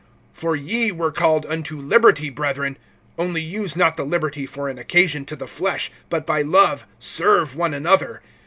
(13)For ye were called unto liberty, brethren; only use not the liberty for an occasion to the flesh, but by love serve one another.